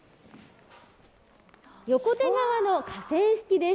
横手川の河川敷です。